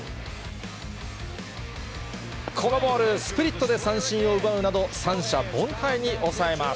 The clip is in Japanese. このボール、スプリットで三振を奪うなど、三者凡退に抑えます。